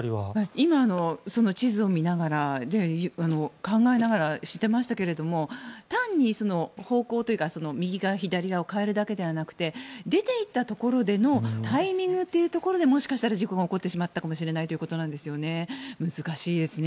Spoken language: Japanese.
今、その地図を見ながら考えながらしてましたけども単に方向転換というか右か左かを変えるだけではなくて出ていったところでのタイミングというところでもしかしたら事故が起こってしまったかもしれないということなんですね。